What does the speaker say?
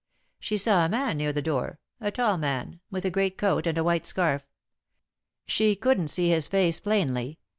She saw a man near the door a tall man, with a great coat and a white scarf. She couldn't see his face plainly.